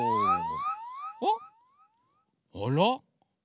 あら？